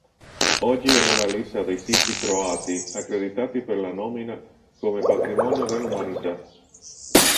Oggi è nella lista dei siti croati accreditati per la nomina come patrimonio dell'umanità.